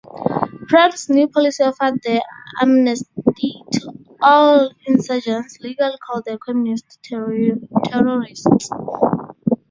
Prem's new policy offered the amnesty to all insurgents, legally called 'the communist terrorists'.